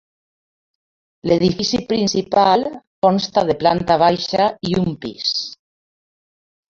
L'edifici principal consta de planta baixa i un pis.